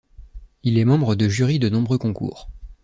Il est membre de jurys de nombreux concours.